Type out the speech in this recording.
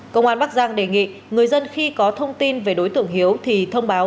công an bắc giang đề nghị người dân khi có thông tin về đối tượng hiếu thì thông báo